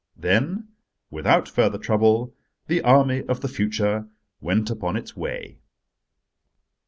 Then without further trouble the army of the future went upon its way.